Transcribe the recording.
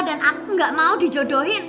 dan aku gak mau dijodohin